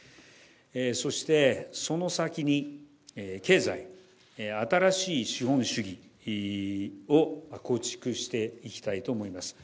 そしてその先に経済、新しい資本主義を構築していきたいと思います。